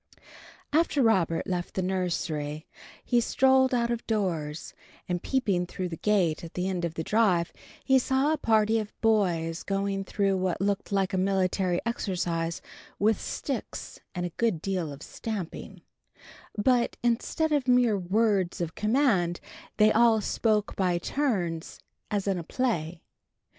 V. After Robert left the nursery he strolled out of doors, and, peeping through the gate at the end of the drive, he saw a party of boys going through what looked like a military exercise with sticks and a good deal of stamping; but, instead of mere words of command, they all spoke by turns, as in a play.